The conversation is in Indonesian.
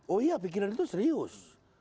oh iya pikiran itu serius